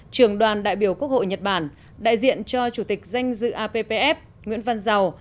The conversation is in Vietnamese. trường đoàn đại biểu quốc hội nhật bản đại diện cho chủ tịch danh dự appf nguyễn văn giàu